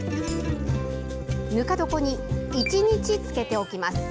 ぬか床に１日漬けておきます。